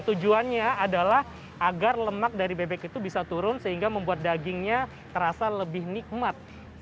tujuannya adalah agar lemak dari bebek itu bisa turun sehingga membuat dagingnya terasa lebih nikmat